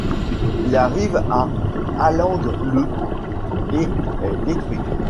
Il arrive à Alang le et est détruit.